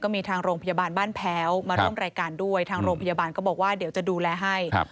มีทางโรงพยาบาลบ้านแพ้วมาร่วมรายการด้วยทางโรงพยาบาลก็บอกว่าเดี๋ยวจะดูแลให้